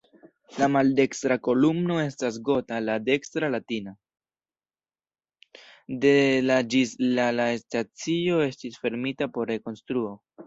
De la ĝis la la stacio estis fermita por rekonstruo.